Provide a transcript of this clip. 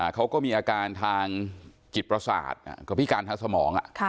เขาก็มีอาการทางจิตประสาทกับพิการทางสมอง